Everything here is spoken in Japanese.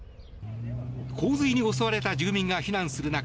洪水に襲われた住民が避難する中